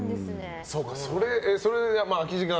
それが空き時間